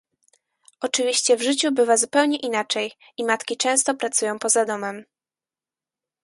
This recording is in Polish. Oczywiście w życiu bywa zupełnie inaczej i matki często pracują poza domem